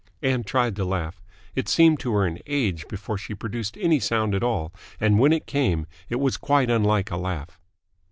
Ann tried to laugh. It seemed to her an age before she produced any sound at all, and when it came it was quite unlike a laugh.